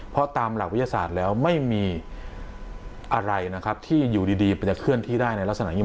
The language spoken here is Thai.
เพราะตามหลักวิทยาศาสตร์แล้วไม่มีอะไรนะครับที่อยู่ดีมันจะเคลื่อนที่ได้ในลักษณะอย่างนี้